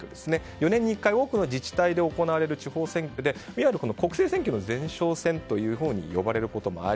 ４年に１回多くの自治体で行われる地方選挙でいわゆる国政選挙の前哨戦と呼ばれることもあり